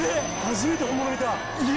初めて本物見た！